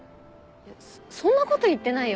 そんなこと言ってないよ。